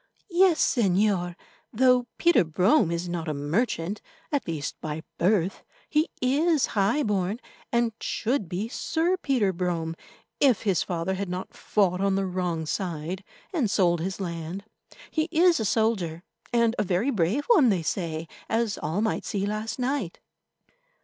"Yes, Señor. Though Peter Brome is not a merchant, at least by birth, he is high born, and should be Sir Peter Brome if his father had not fought on the wrong side and sold his land. He is a soldier, and a very brave one, they say, as all might see last night."